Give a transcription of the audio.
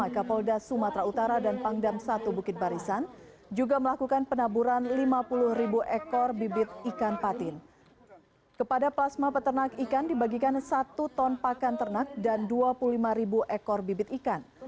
kepada plasma peternak ikan dibagikan satu ton pakan ternak dan dua puluh lima ekor bibit ikan